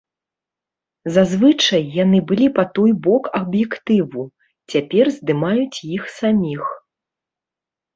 Зазвычай яны былі па той бок аб'ектыву, цяпер здымаюць іх саміх.